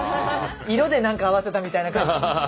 色で何か合わせたみたいな感じ。